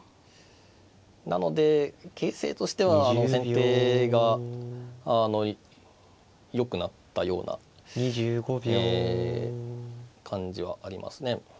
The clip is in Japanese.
なので形勢としては先手がよくなったような感じはありますね。